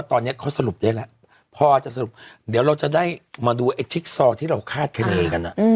ตอนนี้เขาสรุปได้แล้วพอจะสรุปเดี๋ยวเราจะได้มาดูไอ้จิ๊กซอที่เราคาดคณีกัน